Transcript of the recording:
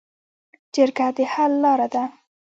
جرګه د حل لاره ده